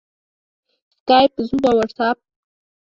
سکایپ، زوم او واټساپ